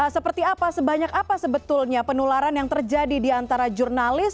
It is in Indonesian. seperti apa sebanyak apa sebetulnya penularan yang terjadi di antara jurnalis